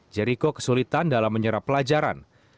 jeriko kesulitan dalam menyerap pelajaran